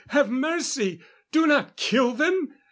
Have mercy! Do not kill them!"